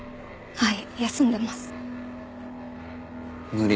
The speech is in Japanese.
はい。